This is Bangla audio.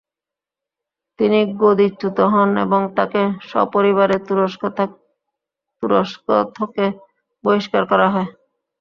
তিনি গদিচ্যুত হন এবং তাকে সপরিবারে তুরস্ক থকে বহিষ্কার করা হয়।